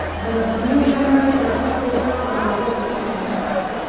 د رسنیو له لارې د خلکو غږ اورېدل کېږي.